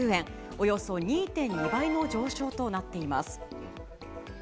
およそ２．２倍の上昇となっています。